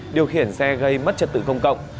điều khiển xe gây mất trật tự công cộng